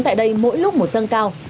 tại đây mỗi lúc một sân cao